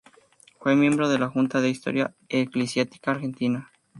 Fue miembro de la Junta de Historia Eclesiástica Argentina.